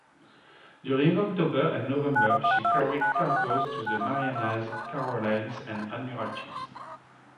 During October and November, she carried cargoes to the Marianas, Carolines, and Admiralties.